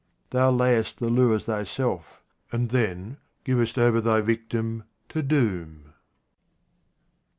Thou layest the lures Thyself, and then givest over Thy victim to doom.